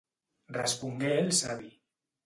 Respongué el savi.